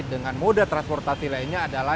dengan moda transportasi lainnya adalah